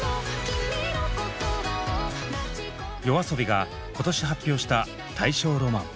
ＹＯＡＳＯＢＩが今年発表した「大正浪漫」。